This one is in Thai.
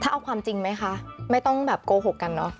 ถ้าเอาความจริงไหมคะไม่ต้องโกหกกัน